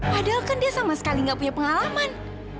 padahal kan dia sama sekali nggak punya pengalaman